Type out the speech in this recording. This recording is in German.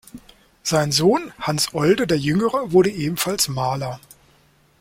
Sein Sohn Hans Olde der Jüngere wurde ebenfalls Maler.